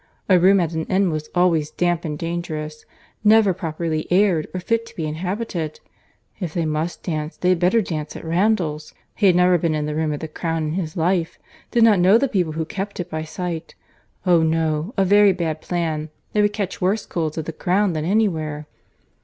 A room at an inn was always damp and dangerous; never properly aired, or fit to be inhabited. If they must dance, they had better dance at Randalls. He had never been in the room at the Crown in his life—did not know the people who kept it by sight.—Oh! no—a very bad plan. They would catch worse colds at the Crown than anywhere."